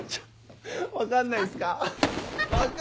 分かんないすか？